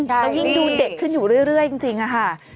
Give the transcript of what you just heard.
แล้วยิ่งดูเด็กขึ้นอยู่เรื่อยจริงค่ะ